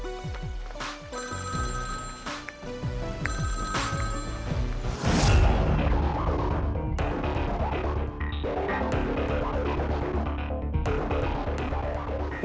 gak ada apa apa